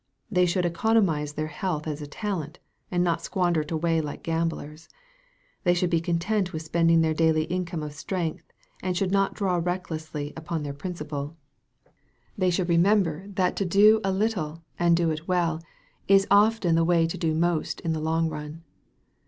They should economize their health as a talent, and not squander it away like gamblers. They should be content with spending their daily income of strength, and should not draw recklessly on their principal. They should remember that to do a MARK, CHAP. VI. 125 little, and do it well, is often the way to do most in the long run.